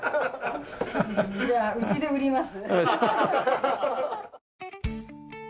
じゃあうちで売ります。